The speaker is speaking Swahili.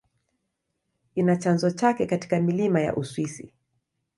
Ina chanzo chake katika milima ya Uswisi.